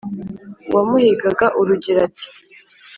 Uwamuhigaga urugero ati :